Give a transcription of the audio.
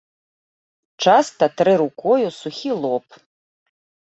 Часта трэ рукою сухі лоб.